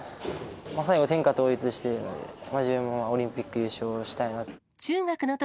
最後、天下統一しているので、自分もオリンピックで優勝したいなと。